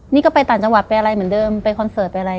นี่ก็ไปต่างจังหวัดไปอะไรเหมือนเดิมไปคอนเสิร์ตไปอะไร